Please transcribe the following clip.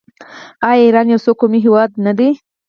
آیا ایران یو څو قومي هیواد نه دی؟